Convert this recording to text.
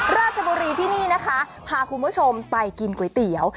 ราชบุรีที่นี่นะคะพาคุณผู้ชมไปกินก๋วยเตี๋ยว